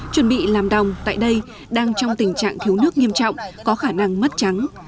chuẩn bị làm đồng tại đây đang trong tình trạng thiếu nước nghiêm trọng có khả năng mất trắng